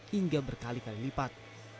hingga berkali kali lipat